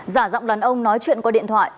giả giọng đàn ông nói chuyện qua điện thoại